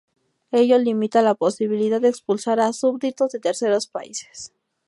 Ello limita la posibilidad de expulsar a súbditos de terceros países.